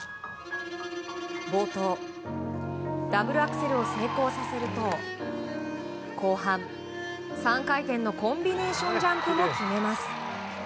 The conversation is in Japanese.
冒頭、ダブルアクセルを成功させると後半、３回転のコンビネーションジャンプも決めます。